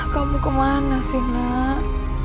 kamu kemana sih nak